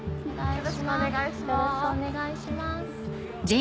よろしくお願いします。